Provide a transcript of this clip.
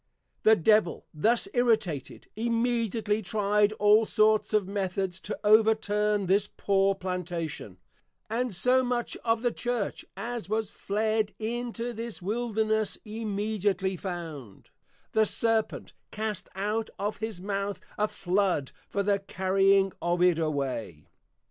The Devil thus Irritated, immediately try'd all sorts of Methods to overturn this poor Plantation: and so much of the Church, as was Fled into this Wilderness, immediately found, _The Serpent cast out of his Mouth a Flood for the carrying of it away.